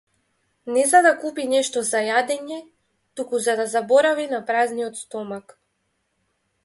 Не за да купи нешто за јадење, туку за да заборави на празниот стомак.